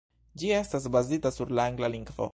Ĝi estas bazita sur la angla lingvo.